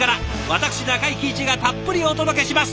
私中井貴一がたっぷりお届けします！